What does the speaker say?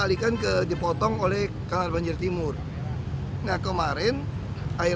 bahwa air di kalisunter tidak terlalu tinggi